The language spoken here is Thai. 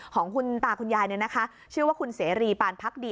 ของคุณตาคุณยายชื่อว่าคุณเสรีปานพักดี